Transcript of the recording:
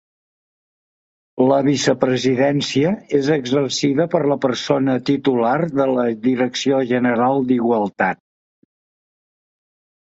La vicepresidència és exercida per la persona titular de la Direcció General d'Igualtat.